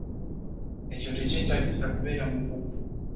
Ekyo tekyetagisa kubeera mukugu.